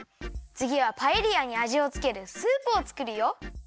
つぎはパエリアにあじをつけるスープをつくるよ！